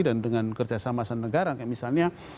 dan dengan kerjasama senegara misalnya